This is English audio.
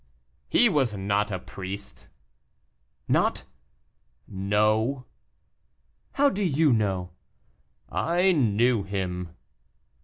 "He was not a priest." "Not!" "No." "How do you know?" "I knew him."